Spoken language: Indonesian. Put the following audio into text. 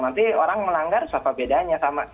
nanti orang melanggar apa bedanya sama